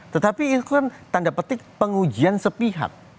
tetapi itu kan tanda petik pengujian sepihak